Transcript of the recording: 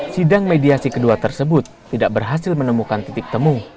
sidang mediasi kedua tersebut tidak berhasil menemukan titik temu